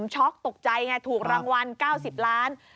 ช็อกตกใจไงถูกรางวัล๙๐ล้าน